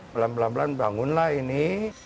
pelan pelan pelan bangunlah ini